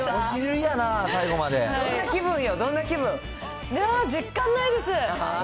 いや、実感ないです。